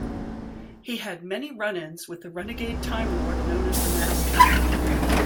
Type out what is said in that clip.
He had many run-ins with the renegade Time Lord known as the Master.